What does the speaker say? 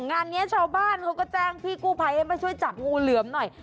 งานนี้ชาวบ้านเขาก็แจ้งพี่กู้ภัยให้มาช่วยจับงูเหลือมหน่อย